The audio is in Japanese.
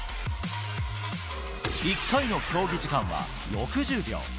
１回の競技時間は６０秒。